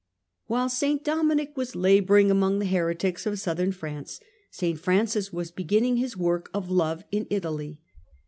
St Francis While St Dominic was labouring among the heretics of Southern France, St Francis was beginning his work of love in Italy.